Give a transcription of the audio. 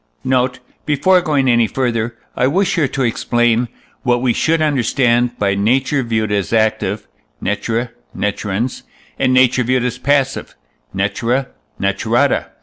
Note. Before going any further, I wish here to explain, what we should understand by nature viewed as active (natura naturans), and nature viewed as passive (natura naturata).